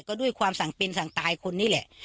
ก็ด้วยความสั่งเป็นสั่งตายคนนี่แหละ